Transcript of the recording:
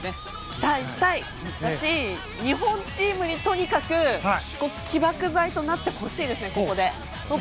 期待したいし日本チームにとにかく起爆剤となってほしいですね。